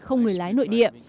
không người lái nội địa